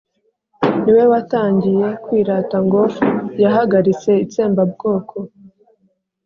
niwe watangiye kwirata ngo yahagaritse itsembabwoko.